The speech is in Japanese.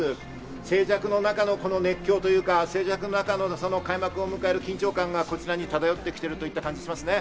静寂の中のこの熱狂というか、静寂の中の開幕を迎える緊張感がこちらに漂ってきているという感じがします。